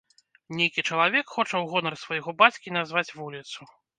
Нейкі чалавек хоча ў гонар свайго бацькі назваць вуліцу.